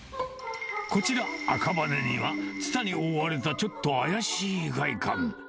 こちら、赤羽にはつたに覆われた、ちょっと怪しい外観。